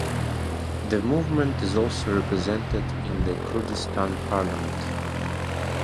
The movement is also represented in the Kurdistan parliament.